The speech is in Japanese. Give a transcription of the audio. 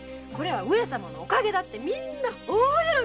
上様のおかげだってみんな大喜びだよ。